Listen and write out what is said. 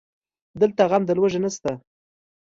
دلته غم د لوږې نشته